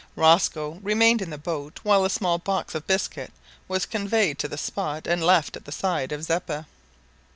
Rosco remained in the boat while a small box of biscuit was conveyed to the spot and left at the side of Zeppa.